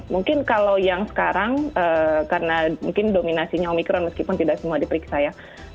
mungkin kalau yang sekarang karena mungkin dominasinya omikron meskipun tidak semua diperiksa ya